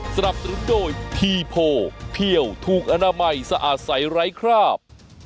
สนับสนุนโดยทีโพเพี่ยวถูกอนามัยสะอาดใสไร้คราบ